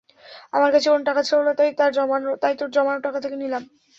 আমার কাছে কোনো টাকা ছিল না, তাই তোর জমানো টাকা থেকে নিলাম।